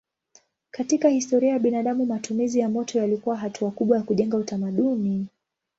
Katika historia ya binadamu matumizi ya moto yalikuwa hatua kubwa ya kujenga utamaduni.